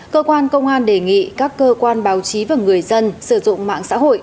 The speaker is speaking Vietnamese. cơ quan công an đề nghị các cơ quan báo chí và người dân sử dụng mạng xã hội